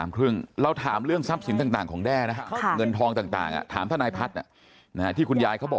กรายการเปิดปากกับภากภูมินะครับ